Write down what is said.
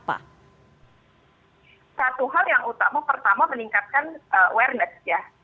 satu hal yang utama pertama meningkatkan awareness ya